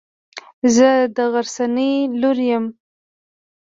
زه د غرڅنۍ لور يم.